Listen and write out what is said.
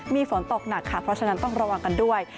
มีฝนตกหนักค่ะเพราะฉะนั้นต้องระวังกันด้วย